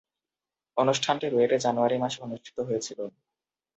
অনুষ্ঠানটি রুয়েটে জানুয়ারি মাসে অনুষ্ঠিত হয়েছিলো।